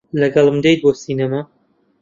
لەگەڵم دێیت بۆ سینەما؟